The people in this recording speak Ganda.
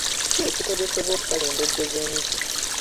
Ki ekikozesebwa okusala endoddo z'emiti?